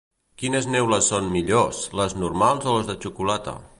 Quines neules són millors, les normals o les de xocolata?